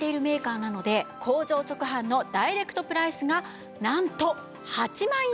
なので工場直販のダイレクトプライスがなんと８万円！